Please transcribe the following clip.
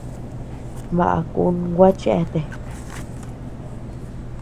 Baʼa kun gua cheatea.